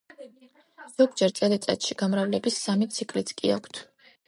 ზოგჯერ წელიწადში გამრავლების სამი ციკლიც კი აქვთ.